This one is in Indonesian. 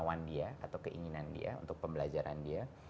untuk kemauan dia atau keinginan dia untuk pembelajaran dia